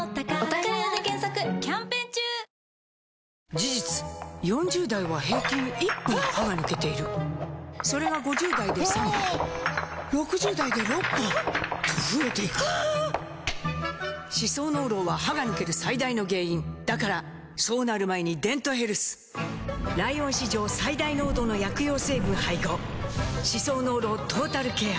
事実４０代は平均１本歯が抜けているそれが５０代で３本６０代で６本と増えていく歯槽膿漏は歯が抜ける最大の原因だからそうなる前に「デントヘルス」ライオン史上最大濃度の薬用成分配合歯槽膿漏トータルケア！